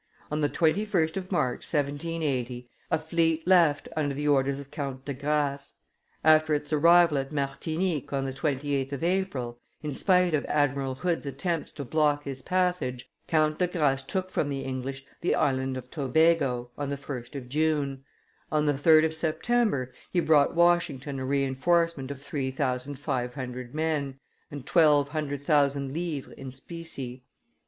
On the 21st of March, 1780, a fleet left under the orders of Count de Grasse; after its arrival at Martinique, on the 28th of April, in spite of Admiral Hood's attempts to block his passage, Count de Grasse took from the English the Island of Tobago, on the 1st of June; on the 3d of September, he brought Washington a reinforcement of three thousand five hundred men, and twelve hundred thousand livres in specie.